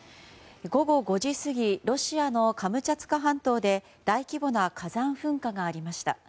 午後５時過ぎロシアのカムチャツカ半島で大規模な火山噴火がありました。